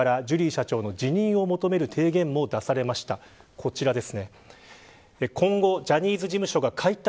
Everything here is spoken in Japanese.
そうした中でこうした経緯からジュリー社長の辞任を求める提言も出されました、こちらです。